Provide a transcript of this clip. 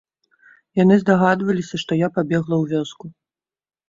Яны здагадваліся, што я пабегла ў вёску.